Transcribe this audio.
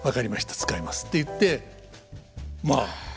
使います」って言ってまあ